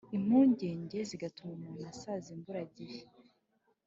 impungenge zigatuma umuntu asaza imburagihe.